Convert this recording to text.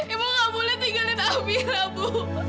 ibu ga boleh tinggalin amira bu